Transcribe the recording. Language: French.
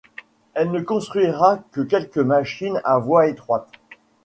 Elle ne construira que quelques machines à voie étroite.